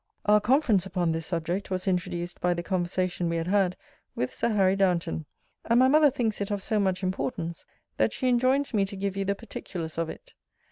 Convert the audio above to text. Our conference upon this subject was introduced by the conversation we had had with Sir Harry Downeton; and my mother thinks it of so much importance, that she enjoins me to give you the particulars of it.